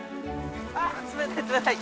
あ冷たい冷たい！